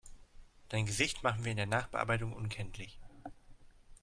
Dein Gesicht machen wir in der Nachbearbeitung unkenntlich.